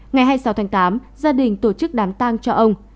ngày hai mươi sáu tháng tám gia đình tổ chức đám tang cho ông